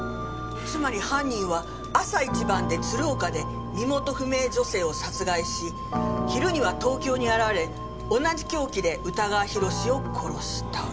つまり犯人は朝一番で鶴岡で身元不明女性を殺害し昼には東京に現れ同じ凶器で宇田川宏を殺した。